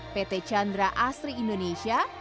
pt chandra asri indonesia